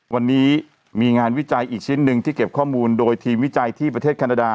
วันนี้มีงานวิจัยอีกชิ้นหนึ่งที่เก็บข้อมูลโดยทีมวิจัยที่ประเทศแคนาดา